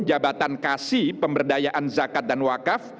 jabatan kasih pemberdayaan zakat dan wakaf